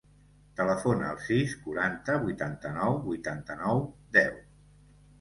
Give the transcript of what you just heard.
Telefona al sis, quaranta, vuitanta-nou, vuitanta-nou, deu.